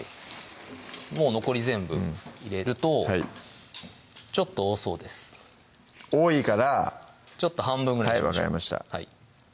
もう残り全部入れるとちょっと多そうです多いからちょっと半分ぐらいにしましょうはい分かりました